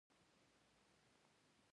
قهوه د قلمي دنیا ملګرې ده